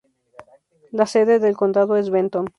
La sede del condado es Benton.